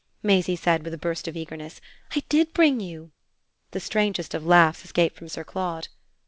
Maisie said with a burst of eagerness. "I did bring you." The strangest of laughs escaped from Sir Claude.